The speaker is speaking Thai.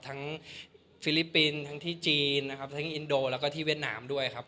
ทั้งฟิลิปปินทั้งที่จีนทั้งอินโดแล้วก็ที่เวียดนามด้วยครับ